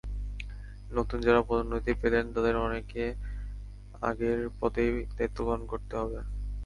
নতুন যাঁরা পদোন্নতি পেলেন, তাঁদের অনেককে আগের পদেই দায়িত্ব পালন করতে হবে।